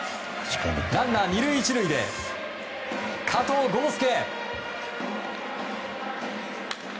ランナー２塁１塁で加藤豪将。